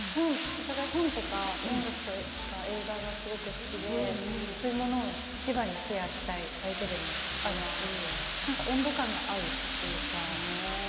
お互い本とか音楽とか映画が好きでお互いそういうものをいちばんシェアしたい相手でもあるし温度感が合うというか。